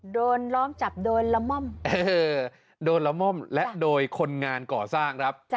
ล้อมจับโดนละม่อมโดนละม่อมและโดยคนงานก่อสร้างครับ